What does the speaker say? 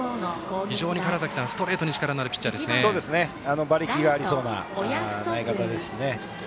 非常に川原崎さんストレートに力のある馬力がありそうな投げ方ですし。